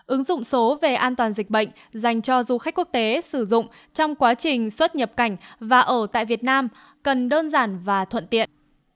ứng dụng số về an toàn dịch bệnh dành cho du khách quốc tế sử dụng trong quá trình xuất nhập cảnh và ở tại việt nam cần đơn giản và thuận tiện